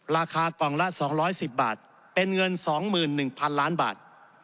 ราคากล่องละ๒๑๐บาทเป็นเงิน๒๑๐๐๐ล้านบาท